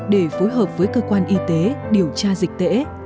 để phối hợp với cơ quan y tế điều tra dịch tễ